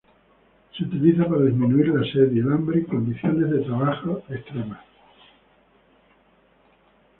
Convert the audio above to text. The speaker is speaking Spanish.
Se utiliza para disminuir la sed y el hambre en condiciones de trabajo extremas.